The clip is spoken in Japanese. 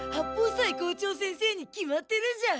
斎校長先生に決まってるじゃん！